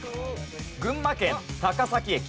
群馬県高崎駅。